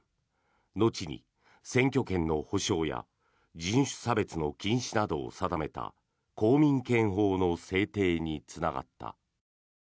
後に、選挙権の保障や人種差別の禁止などを定めた公民権法の制定につながった。